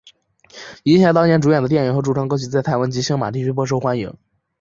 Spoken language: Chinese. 银霞当年主演的电影和主唱歌曲在台湾及星马地区颇受欢迎。